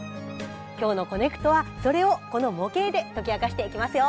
今日の「コネクト」はそれをこの模型で解き明かしていきますよ。